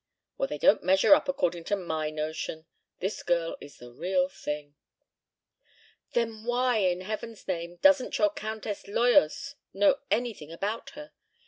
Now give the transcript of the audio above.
"Well, they don't measure up according to my notion. This girl is the real thing." "Then why, in heaven's name, doesn't your Countess Loyos know anything about her?